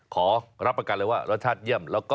ขอรับปรากฏเลยว่ารสชาติเยี่ยม